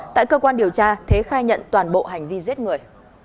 tại cơ quan điều tra thế khai nhận toàn bộ hành vi giết người